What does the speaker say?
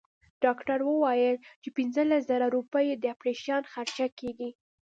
ډاکټر وويل چې پنځلس زره روپۍ يې د اپرېشن خرچه کيږي.